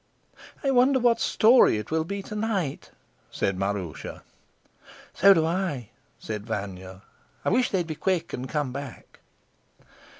"I wonder what story it will be to night?" said Maroosia. "So do I," said Vanya. "I wish they'd be quick and come back."